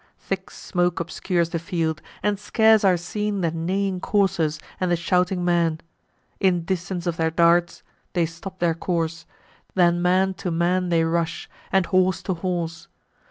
Thick smoke obscures the field; and scarce are seen The neighing coursers, and the shouting men. In distance of their darts they stop their course; Then man to man they rush, and horse to horse.